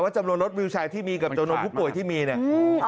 จำนวนรถวิวชายที่มีกับจำนวนผู้ป่วยที่มีเนี่ย